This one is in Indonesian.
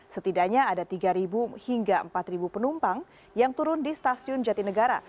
setidaknya ada tiga hingga empat penumpang yang turun di stasiun jatinegara